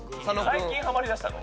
最近ハマりだしたの？